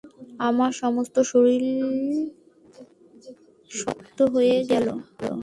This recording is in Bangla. আমার সমস্ত শরীর শক্ত হয়ে গেল।